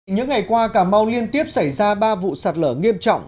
những ngày qua cà mau liên tiếp xảy ra ba vụ sạt lở nghiêm trọng